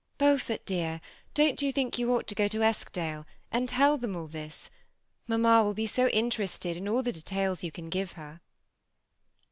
Beaufort, dear, don't you think you ought to go to Eskdale, and tell them all this ? Mamma will be so interested in all the details you can give her."